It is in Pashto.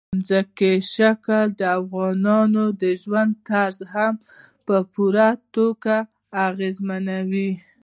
ځمکنی شکل د افغانانو د ژوند طرز هم په پوره توګه اغېزمنوي.